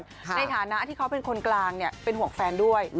ในฐานะที่เขาเป็นคนกลางเป็นห่วงแฟนด้วย